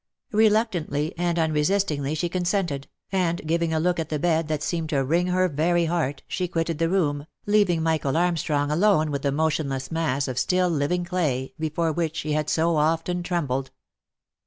Reluctantly, and unresistingly she consented, and giving a look at the bed that seemed to wring her very heart, she quitted the room, leaving Michael Armstrong alone with the motionless mass of still living clay, before which he had so often trembled.